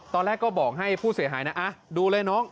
ตอนแรกก็บอกให้ผู้เสียหายนะดูเลยน้อง